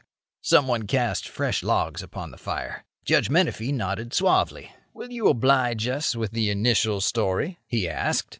Someone cast fresh logs upon the fire. Judge Menefee nodded suavely. "Will you oblige us with the initial story?" he asked.